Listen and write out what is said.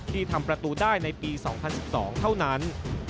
ที่ทำประตูได้ในปี๒๐๑๒เท่านั้น